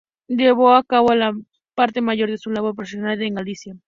Llevó a cabo la mayor parte de su labor profesional en Galicia.